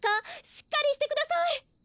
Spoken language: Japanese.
しっかりしてください！